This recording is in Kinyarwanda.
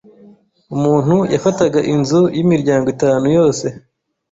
umuntu yafataga inzu y’imiryango itanu yose